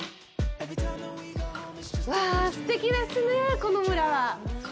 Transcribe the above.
わあ、すてきですね、この村は。